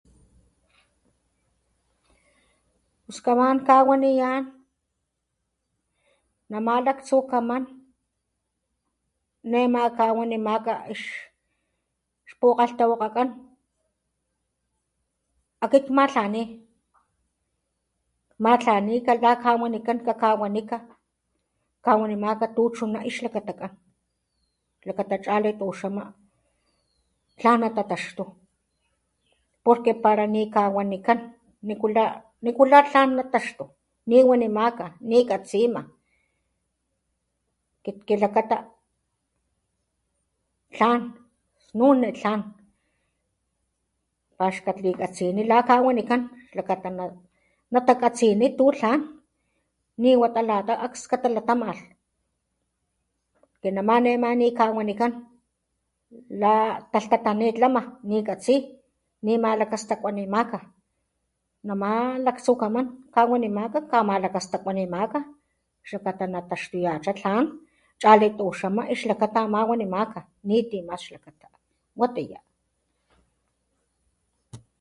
Kaman kawaniyán namá laktsukaman ne ma kawanimaka ixpukgalhtawakgakán, aki kmatlaní, kmatlaní kalakawanikán kawanimaka kawanimaka tuchuná, ixlakakan, lakata chali tuxama tlan natataxtú, porque para ni kawanikán, nikulá tlán nataxtú, niwanimaka, nikatsima, akit kilakata tlán, snuni tlán paxkat likatsini la ka wanikán, lakata natakatsiní tu tlan niwatá akskalatamalh´namá ne ni kawanikán latalhtatanit lama ni katsí, nimalakastakuanimaka namá laktsukaman kawanimaka kamalakastakuanimaka lxakata na taxtuyachá tlán, chali tuxama xlakata ama tu wanimaka, niti mas xlakata, watiyá.